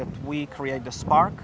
kita menciptakan kebenaran